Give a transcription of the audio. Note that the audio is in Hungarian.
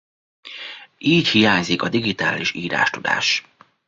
Így hiányzik a digitális írástudás.